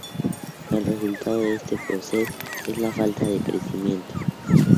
El resultado de este proceder es la falta de crecimiento.